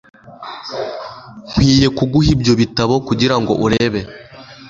Nkwiye kuguha ibyo bitabo kugirango urebe